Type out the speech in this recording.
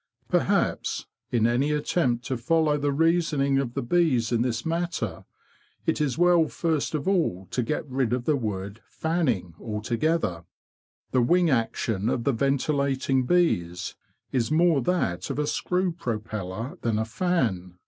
Perhaps, in any attempt to follow the reasoning of the bees in this matter, it is well first of all to get rid of the word " fanning '"' altogether. The wing action of the ventilating bees is more that of a screw propeller than a fan.